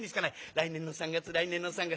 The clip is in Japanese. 「来年の三月来年の三月」。